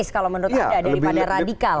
kalau menurut anda daripada radikal